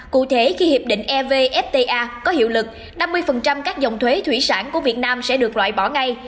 cụ thể khi hiệp định evfta có hiệu lực năm mươi các dòng thuế thủy sản của việt nam sẽ được loại bỏ ngay